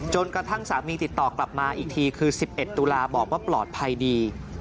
กระทั่งสามีติดต่อกลับมาอีกทีคือ๑๑ตุลาบอกว่าปลอดภัยดี